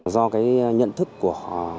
do cái nhận thức của